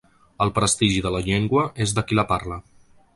El prestigi de la llengua és de qui la parla.